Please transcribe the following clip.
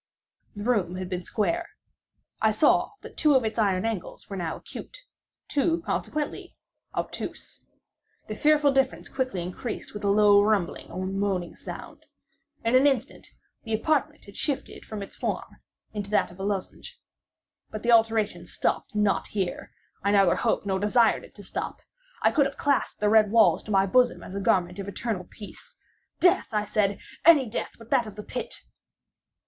The room had been square. I saw that two of its iron angles were now acute—two, consequently, obtuse. The fearful difference quickly increased with a low rumbling or moaning sound. In an instant the apartment had shifted its form into that of a lozenge. But the alteration stopped not here—I neither hoped nor desired it to stop. I could have clasped the red walls to my bosom as a garment of eternal peace. "Death," I said, "any death but that of the pit!"